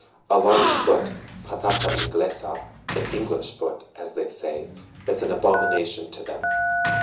A large foot (pataza Inglesa an English foot, as they say) is an abomination to them.